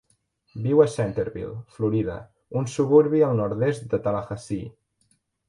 Viu a Centerville, Florida, un suburbi al nord-est de Tallahassee.